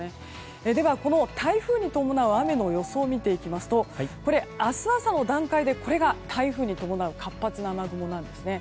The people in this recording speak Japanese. では、この台風に伴う雨の予想を見ていきますと明日朝の段階でこれが台風に伴う活発な雨雲なんですね。